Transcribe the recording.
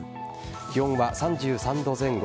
気温は３３度前後。